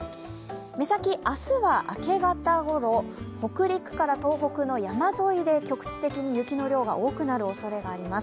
目先明日は明け方ごろ北陸から東北の山沿いで局地的に雪の量が多くなるおそれがあります。